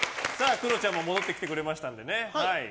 クロちゃんも戻ってきてくれましたのでね。